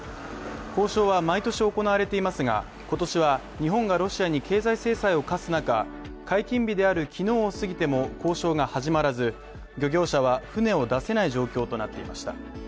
交渉は毎年行われていますが、今年は日本がロシアに経済制裁を科す中、解禁日である昨日を過ぎても交渉が始まらず漁業者は船を出せない状況となっていました。